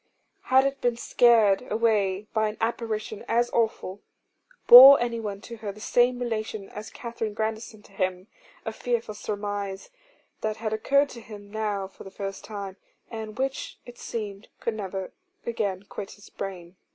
Had it been scared away by an apparition as awful? Bore anyone to her the same relation as Katherine Grandison to him? A fearful surmise, that had occurred to him now for the first time, and which it seemed could never again quit his brain.